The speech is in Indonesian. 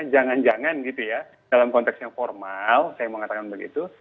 jangan jangan gitu ya dalam konteks yang formal saya mau katakan begitu